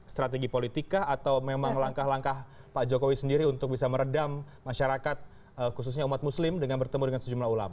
strategi politika atau memang langkah langkah pak jokowi sendiri untuk bisa meredam masyarakat khususnya umat muslim dengan bertemu dengan sejumlah ulama